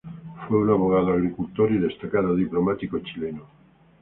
Fue un abogado, agricultor y destacado diplomático chileno.